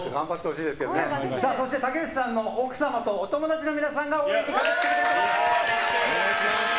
そして武内さんの奥様とお友達の皆さんが応援に駆け付けてきてくれています！